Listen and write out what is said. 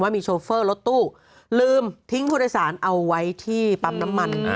มีโชเฟอร์รถตู้ลืมทิ้งผู้โดยสารเอาไว้ที่ปั๊มน้ำมัน